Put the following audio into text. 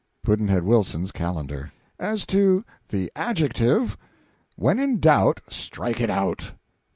Pudd'nhead Wilson's Calendar. As to the Adjective: when in doubt, strike it out.